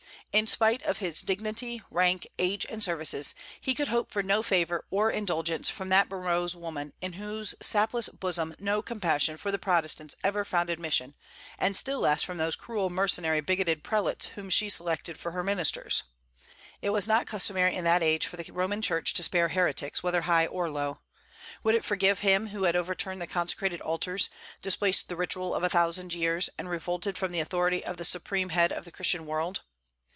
In spite of his dignity, rank, age, and services, he could hope for no favor or indulgence from that morose woman in whose sapless bosom no compassion for the Protestants ever found admission, and still less from those cruel, mercenary, bigoted prelates whom she selected for her ministers. It was not customary in that age for the Roman Church to spare heretics, whether high or low. Would it forgive him who had overturned the consecrated altars, displaced the ritual of a thousand years, and revolted from the authority of the supreme head of the Christian world?